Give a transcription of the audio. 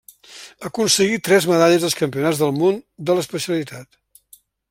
Aconseguí tres medalles als Campionats del Món de l'especialitat.